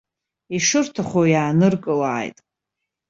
Ишырҭаху иааныркылааит!